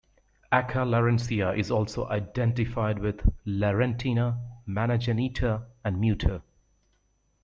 Acca Larentia is also identified with Larentina, Mana Genita, and Muta.